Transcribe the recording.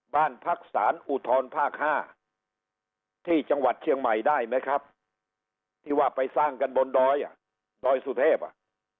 บ้านพักสารอุทธรภาค๕ที่จังหวัดเชียงใหม่ได้ไหมครับที่ว่าไปสร้างกันบนดอยอ่ะดอยสุเทพอ่ะ